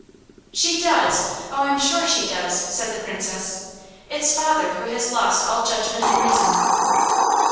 "She does! Oh, I'm sure she does!" said the Princess. "It's father who has lost all judgment and reason."